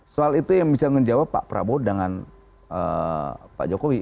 soal itu yang bisa menjawab pak prabowo dengan pak jokowi